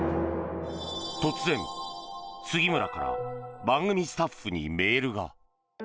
突然、杉村から番組スタッフにメールが。